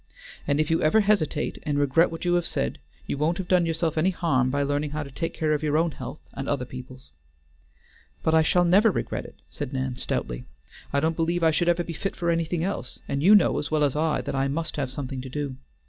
And if you ever hesitate and regret what you have said, you won't have done yourself any harm by learning how to take care of your own health and other people's." "But I shall never regret it," said Nan stoutly. "I don't believe I should ever be fit for anything else, and you know as well as I that I must have something to do.